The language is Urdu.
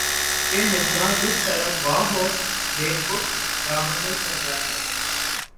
کہ مژگاں جس طرف وا ہو‘ بہ کف دامانِ صحرا ہے